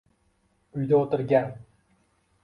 Uyda o‘tirgan.